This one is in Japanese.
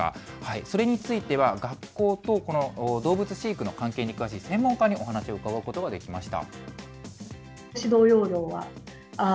それについては学校と、この動物飼育の関係に詳しい専門家にお話を伺うことができました。